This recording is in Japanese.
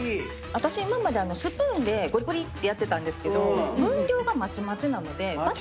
私今までスプーンでゴリゴリやってたんですけど分量がまちまちなのでバターの味がね